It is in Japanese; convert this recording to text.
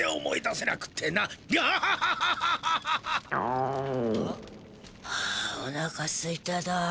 ん？はあおなかすいただ。